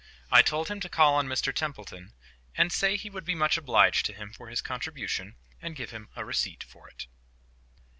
I told him to call on Mr Templeton, and say he would be much obliged to him for his contribution, and give him a receipt for it.